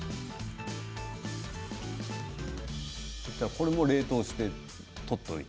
これも冷凍して取っておいて？